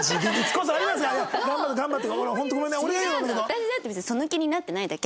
私だって別にその気になってないだけ！